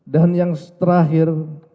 dan yang terakhir